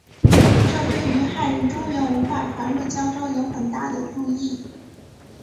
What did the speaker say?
这对于汉人中原文化传入交州有很大的助益。